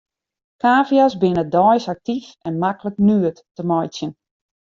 Kavia's binne deis aktyf en maklik nuet te meitsjen.